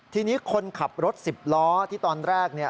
ทีนี้คนขับรถ๑๐ล้อที่ตอนแรกเนี่ย